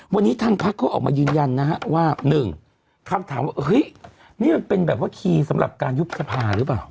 วันนี้ทางพักเขาออกมายืนยันนะฮะว่า๑คำถามว่าเฮ้ยนี่มันเป็นแบบว่าคีย์สำหรับการยุบสภาหรือเปล่า